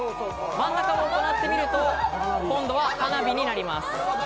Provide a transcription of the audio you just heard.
真ん中を行ってみると今度は、はなびになります。